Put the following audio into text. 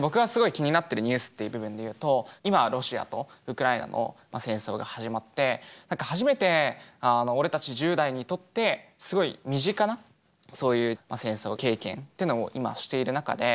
僕がすごい気になってるニュースっていう部分でいうと今ロシアとウクライナの戦争が始まって何か初めて俺たち１０代にとってすごい身近なそういう戦争経験ってのを今している中で。